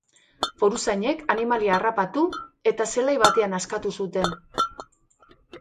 Foruzainek animalia harrapatu eta zelai batean askatu zuten.